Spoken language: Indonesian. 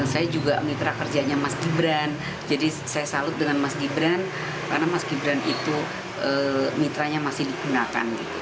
saya juga mitra kerjanya mas gibran jadi saya salut dengan mas gibran karena mas gibran itu mitranya masih digunakan